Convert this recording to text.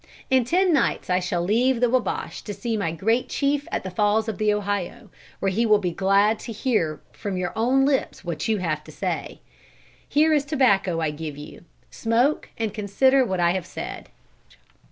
In ten nights I shall leave the Wabash to see my great chief at the Falls of the Ohio, where he will be glad to hear from your own lips what you have to say. Here is tobacco I give you. Smoke and consider what I have said."